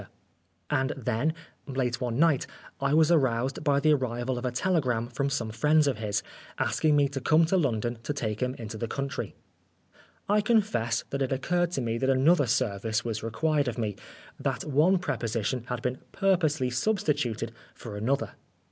Oscar Wilde And then, late one night, I was aroused by the arrival of a telegram from some friends of his, asking me to come to London to take him into the country. I confess that it occurred to me that another service was required of me that one preposition had been purposely substituted for another.